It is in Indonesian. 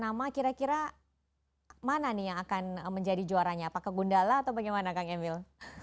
nama kira kira mana nih yang akan menjadi juaranya apakah gundala atau bagaimana kang emil